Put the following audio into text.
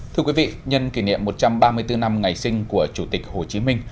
thưa quý vị nhân kỷ niệm một trăm ba mươi bốn năm ngày sinh của chủ tịch hồ chí minh